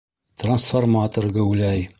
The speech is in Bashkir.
Трансформатор геүләй